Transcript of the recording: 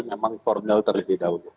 memang formil terlebih dahulu